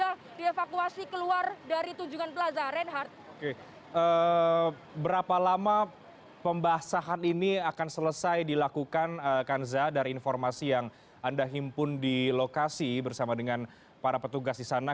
oke berapa lama pembahasan ini akan selesai dilakukan kanza dari informasi yang anda himpun di lokasi bersama dengan para petugas di sana